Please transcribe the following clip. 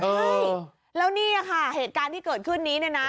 ใช่แล้วนี่ค่ะเหตุการณ์ที่เกิดขึ้นนี้เนี่ยนะ